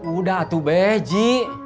udah tuh beji